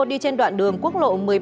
đi trên đoạn đường quốc lộ một mươi ba